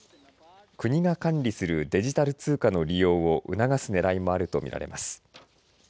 国が管理するデジタル通貨の利用を促すねらいもあるとみられます。